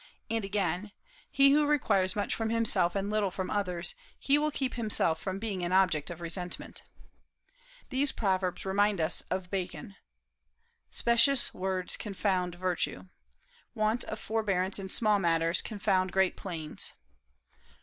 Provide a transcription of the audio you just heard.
And again, "He who requires much from himself and little from others, he will keep himself from being an object of resentment." These proverbs remind us of Bacon: "Specious words confound virtue." "Want of forbearance in small matters confound great plans."